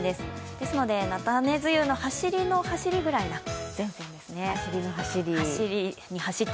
ですので、菜種梅雨の走りの走りのような雨ですね。